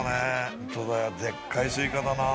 本当だよ、でっかいスイカだな。